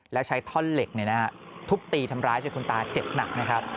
แล้วใช้ท่อนเหล็กทุบตีทำร้ายจนคุณตาเจ็บหนักนะครับ